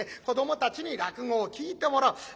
子どもたちに落語を聴いてもらう。